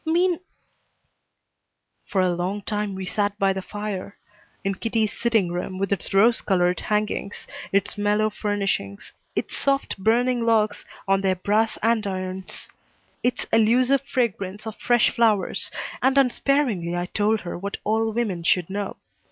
Mean " For a long time we sat by the fire in Kitty's sitting room with its rose colored hangings, its mellow furnishings, its soft burning logs on their brass andirons, its elusive fragrance of fresh flowers, and unsparingly I told her what all women should know.